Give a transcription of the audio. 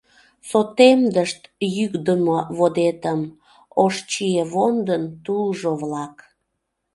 Сотемдышт йӱкдымӧ водетым Ош чиевондын тулжо-влак.